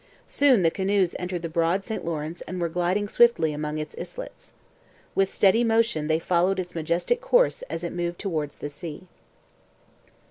Soon the canoes entered the broad St Lawrence and were gliding swiftly among its islets. With steady motion they followed its majestic course as it moved towards the sea.